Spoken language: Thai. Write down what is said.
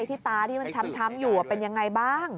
ที่ตาที่มันช้ำอยู่เป็นยังไงบ้าง